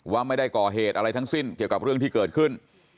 ว่าไม่ได้ก่อเหตุอะไรทั้งสิ้นเกี่ยวกับเรื่องที่เกิดขึ้น